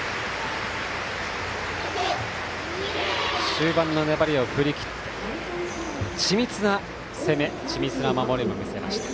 終盤の粘りを振り切って緻密な攻め、緻密な守りも見せました。